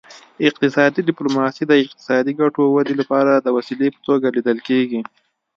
اقتصادي ډیپلوماسي د اقتصادي ګټو ودې لپاره د وسیلې په توګه لیدل کیږي